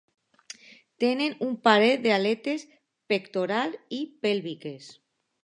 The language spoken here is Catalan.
Tenen un parell d'aletes pectorals i pèlviques.